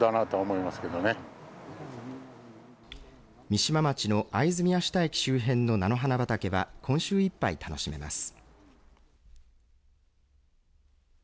三島町の会津宮下駅周辺の菜の花畑は今週いっぱい楽しめます。